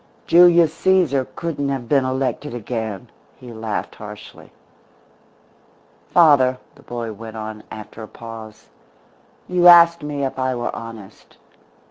Julius Caesar couldn't have been elected again," he laughed harshly. "Father," the boy went on, after a pause, "you asked me if I were honest.